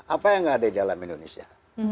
apa yang tidak ada di dalam indonesia